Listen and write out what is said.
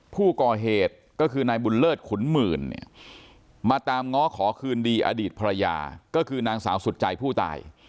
ผู้ก่อเหตุก็คือนายบุญเลิศขุนหมื่นเนี่ยมาตามง้อขอคืนดีอดีตภรรยาก็คือนางสาวสุดใจผู้ตาย